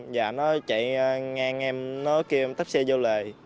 và nó chạy ngang em nó kêu em tắp xe vô lề